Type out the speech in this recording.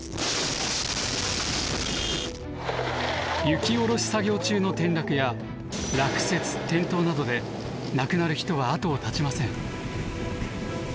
雪おろし作業中の転落や落雪・転倒などで亡くなる人は後を絶ちません。